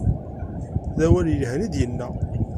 D awal i yelhan i d-nnan.